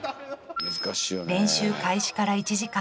練習開始から１時間。